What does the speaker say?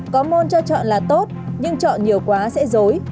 có môn cho chọn là tốt nhưng chọn nhiều quá dễ dối